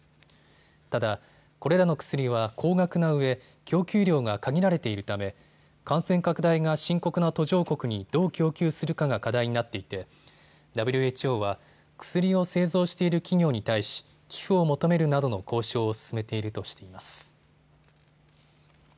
ただ、これらの薬は高額なうえ供給量が限られているため感染拡大が深刻な途上国にどう供給するかが課題になっていてＷＨＯは薬を製造している企業に対し寄付を求めるなどの交渉を進めているとしています。